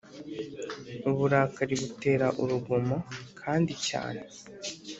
uburakari butera urugomo kandi cyane